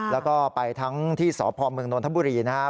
แล้วก็ไปทั้งที่สพเมืองนนทบุรีนะครับ